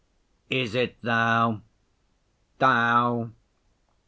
'Is it Thou? Thou?